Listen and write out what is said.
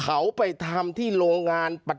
เจ้าหน้าที่แรงงานของไต้หวันบอก